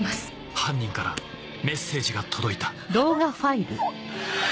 犯人からメッセージが届いたはっ！